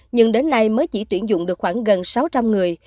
nhưng đến nay mới chỉ tuyển dụng được khoảng gần sáu trăm linh người